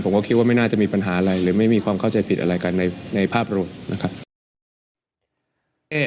ก็ไม่คิดว่าไม่น่าจะมีปัญหาอะไรหรือไม่มีความเข้าใจผิดอะไรกันในภาพรวมนะครับ